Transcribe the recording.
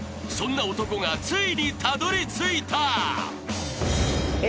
［そんな男がついにたどりついた！］